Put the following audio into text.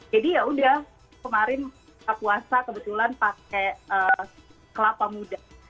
jadi yaudah kemarin buka puasa kebetulan pakai kelapa muda